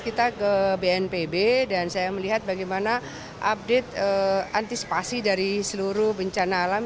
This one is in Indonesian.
kita ke bnpb dan saya melihat bagaimana update antisipasi dari seluruh bencana alam